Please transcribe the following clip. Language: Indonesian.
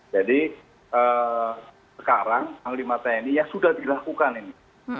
jadi sekarang panglima tni ya sudah dilakukan ini